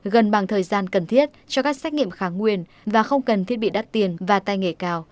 gần bằng thời gian cần thiết cho các xét nghiệm kháng nguyên và không cần thiết bị đắt tiền và tay nghề cao